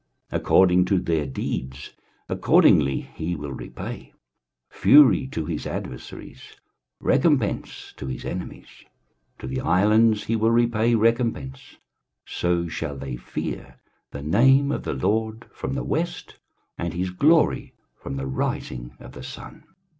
23:059:018 According to their deeds, accordingly he will repay, fury to his adversaries, recompence to his enemies; to the islands he will repay recompence. 23:059:019 So shall they fear the name of the LORD from the west, and his glory from the rising of the sun.